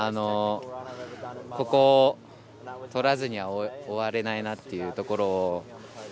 ここをとらずには終われないなっていうところを。